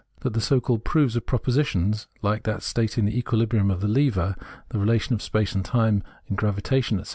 That the so called proofs of propositions like that stating the equilibrium of the lever, the relation of space and time in gravitation, etc.